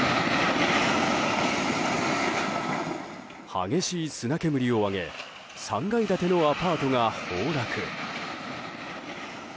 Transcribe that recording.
激しい砂煙を上げ３階建てのアパートが崩落。